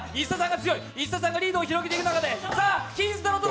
石田さんがリードを広げていく。